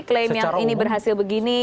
klaim yang ini berhasil begini